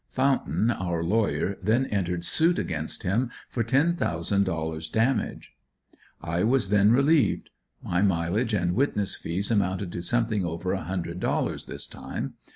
Fountain, our lawyer then entered suit against him for ten thousand dollars damage. I was then relieved. My mileage and witness fees amounted to something over a hundred dollars, this time.